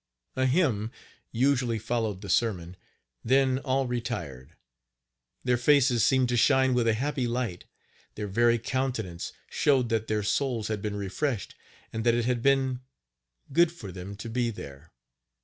A hymn usually followed the sermon, then all retired. Their faces seemed to shine with a happy light their very countenance showed that their souls had been refreshed and that it had been "good for them to be there."